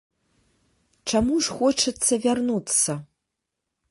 Чаму ж хочацца вярнуцца?